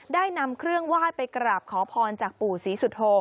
ได้นำเครื่องไหว้ไปกราบขอพรจากปู่ศรีสุโธ